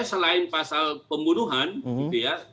selain pasal pembunuhan gitu ya